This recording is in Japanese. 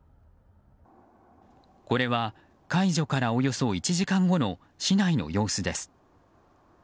これは解除からおよそ１時間後の市内の様子です。